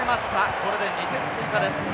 これで２点追加です。